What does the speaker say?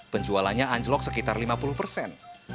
penjualannya anjlok sekitar lima puluh persen